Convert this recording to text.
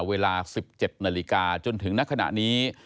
เวลา๑๗นาฬิกาจนถึงณขณะนี้